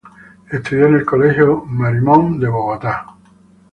Estudió en el colegio Marymount de Bogotá.